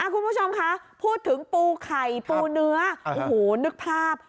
คุณผู้ชมคะพูดถึงปูไข่ปูเนื้อโอ้โหนึกภาพ